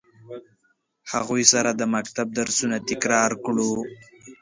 هغوی سره د مکتب درسونه تکرار کړو.